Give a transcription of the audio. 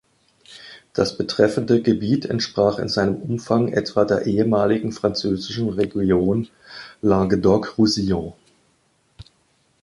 Das betreffende Gebiet entsprach in seinem Umfang etwa der ehemaligen französischen Region Languedoc-Roussillon.